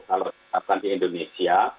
kalau di indonesia